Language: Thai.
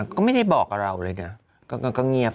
ก็ไม่ได้บอกกับเราเลยนะก็เงียบ